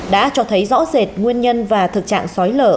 đã cho thấy rõ rệt nguyên nhân và thực trạng xói lở